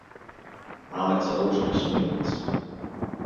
Máme celou řadu směrnic.